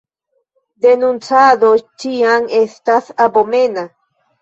Denuncado ĉiam estas abomena.